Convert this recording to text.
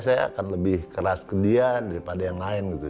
saya akan lebih keras ke dia daripada yang lain gitu